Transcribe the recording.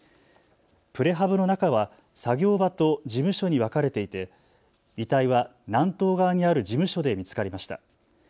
プレハブの中は作業場と事務所に分かれていて遺体は南東側にある事務所で見つかりました。